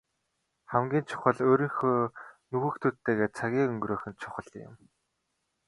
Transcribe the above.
Хамгийн чухал нь өөрийнхөө хүүхдүүдтэйгээ цагийг өнгөрөөх нь чухал юм.